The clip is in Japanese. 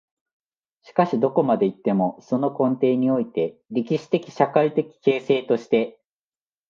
しかしどこまで行っても、その根底において、歴史的・社会的形成として、